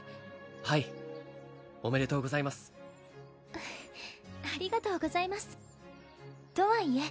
はいおめでとうございますありがとうございますとはいえ